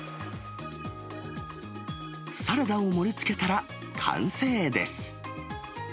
サラダを盛りつけたら完成です。